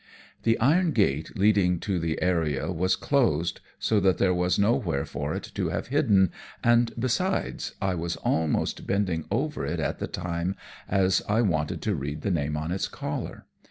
"The iron gate leading to the area was closed, so that there was nowhere for it to have hidden, and, besides, I was almost bending over it at the time, as I wanted to read the name on its collar.